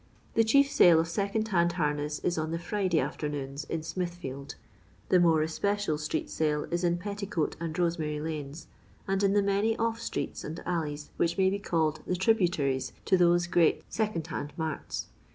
The chief sale of second hand harness is on the Friday afternoons, in Smithfield. The more especial street sale is in Petticoat and Rosemary lanes, and in the many off streets and alleys which may be called the tri buuries to those great second hand marts.